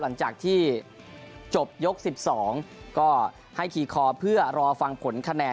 หลังจากที่จบยก๑๒ก็ให้คีย์คอเพื่อรอฟังผลคะแนน